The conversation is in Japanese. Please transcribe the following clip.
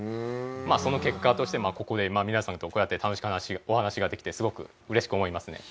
その結果としてここで皆さんとこうやって楽しくお話ができてすごく嬉しく思いますね。